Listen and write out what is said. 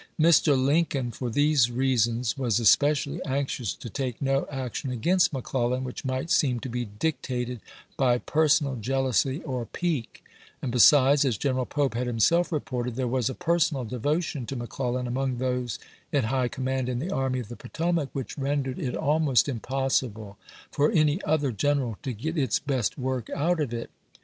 Mr. Lincoln, for these reasons, was especially anxious to take no action against McClellan which might seem to be dictated by per sonal jealousy or pique; and besides, as General Pope had himself reported, there was a personal devotion to McClellan among those in high com mand in the Army of the Potomac which rendered it almost impossible for any other general to get its best work out of it.